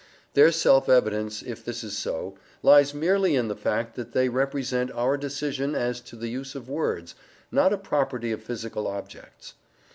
Their self evidence, if this is so, lies merely in the fact that they represent our decision as to the use of words, not a property of physical objects.